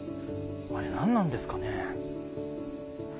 あれ、何なんですかね。